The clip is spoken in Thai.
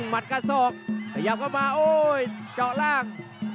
กระสอบขยับเข้ามาโอ้ยเจาะล่าง